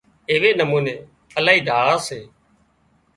ايوي نموني الاهي ڍاۯا سي